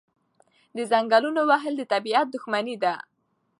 د ځنګلونو وهل د طبیعت دښمني ده.